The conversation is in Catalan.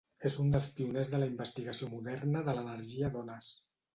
És un dels pioners de la investigació moderna de l'energia d'ones.